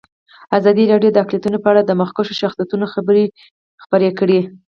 ازادي راډیو د اقلیتونه په اړه د مخکښو شخصیتونو خبرې خپرې کړي.